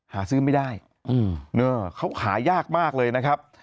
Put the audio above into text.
หาซื้อไม่ได้เขาหายากมากเลยนะครับ